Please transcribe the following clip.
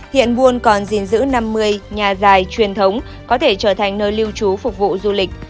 hiện buôn còn gìn giữ năm mươi nhà dài truyền thống có thể trở thành nơi lưu trú phục vụ du lịch